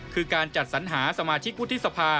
คือการจัดสัญหาสมาชิกวุฒิสภา